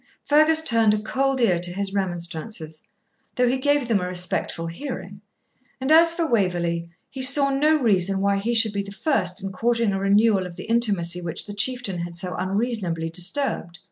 Fergus turned a cold ear to his remonstrances, though he gave them a respectful hearing; and as for Waverley, he saw no reason why he should be the first in courting a renewal of the intimacy which the Chieftain had so unreasonably disturbed.